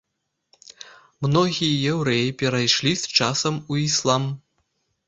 Многія яўрэі перайшлі з часам у іслам.